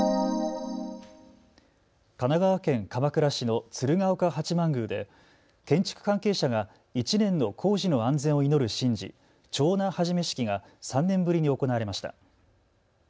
神奈川県の鶴岡八幡宮で建築関係者が１年の工事の安全を祈る神事、手斧始式が３年ぶりに行われました。